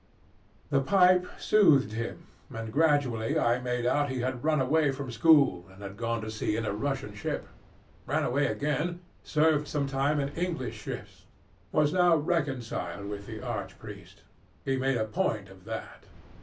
"The pipe soothed him, and gradually I made out he had run away from school, had gone to sea in a Russian ship; ran away again; served some time in English ships; was now reconciled with the arch priest. He made a point of that.